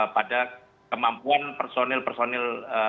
pada kemampuan personil personil